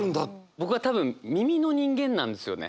僕は多分耳の人間なんですよね。